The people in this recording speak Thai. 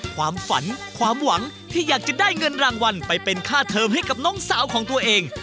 ความฝันความหวังที่อยากจะได้เงินรางวัลไปเป็นค่าเทิมให้กับน้องสาวของตัวเอง